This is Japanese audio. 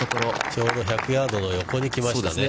ちょうど１００ヤードの横に来ましたね。